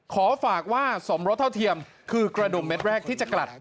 ขอฝากว่าสมรสเท่าเทียมคือกระดุมเม็ดแรกที่จะกลัด